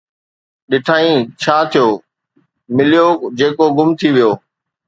ڏٺائين ڇا ٿيو، مليو جيڪو گم ٿي ويو